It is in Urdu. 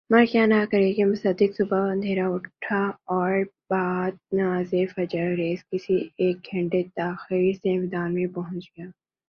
مر کیا نا کر کے مصداق صبح ہ اندھیر اٹھ اور بعد نماز فجر گیرز کس کر ایک گھنٹہ تاخیر سے میدان میں پہنچ گ